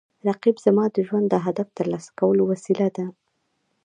رقیب زما د ژوند د هدف ترلاسه کولو وسیله ده